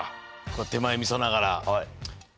手前みそながら。